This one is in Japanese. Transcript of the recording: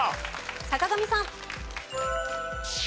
坂上さん。